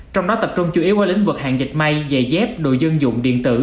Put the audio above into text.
trong đó tập trung chủ yếu ở lĩnh vực hàng dệt may giày dép đồ dân dụng điện tử